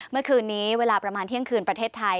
เมื่อคืนนี้เวลาประมาณเที่ยงคืนประเทศไทย